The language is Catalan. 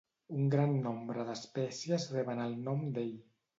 Un gran nombre d'espècies reben el nom d'ell.